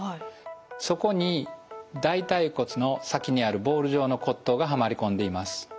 そこに大腿骨の先にあるボール状の骨頭がはまり込んでいます。